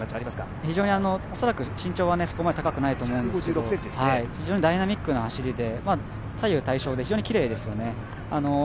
非常に恐らく身長はそこまで高くないと思うんですけど非常にダイナミックな走りで、左右対称で非常にきれいですよね。